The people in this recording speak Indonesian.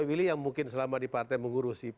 pemilih yang mungkin selama di partai mengurusi